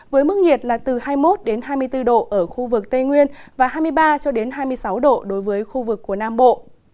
với mức nhiệt là từ hai mươi một hai mươi bốn độ ở khu vực tây nguyên và hai mươi ba hai mươi sáu độ đối với khu vực của nam bộ